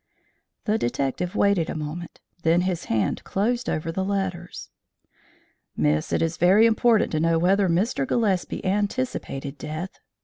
The detective waited a moment, then his hand closed over the letters. "Miss, it is very important to know whether Mr. Gillespie anticipated death.